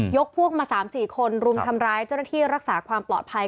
พวกมา๓๔คนรุมทำร้ายเจ้าหน้าที่รักษาความปลอดภัย